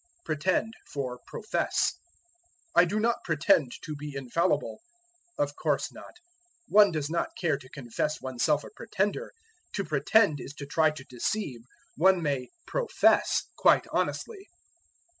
Pretend for Profess. "I do not pretend to be infallible." Of course not; one does not care to confess oneself a pretender. To pretend is to try to deceive; one may profess quite honestly.